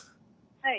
はい。